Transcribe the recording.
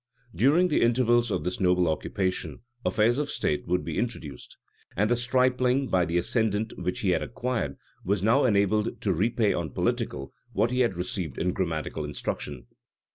During the intervals of this noble occupation, affairs of state, would be introduced; and the stripling, by the ascendant which he had acquired, was now enabled to repay on political, what he had received in grammatical instruction.